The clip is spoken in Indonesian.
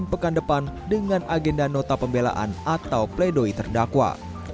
pekan depan dengan agenda nota pembelaan atau pledoi terdakwa